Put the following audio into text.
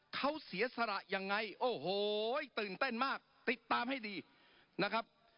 เขาเสียสละยังไงโอ้โหตื่นเต้นมากติดตามให้ดีนะครับ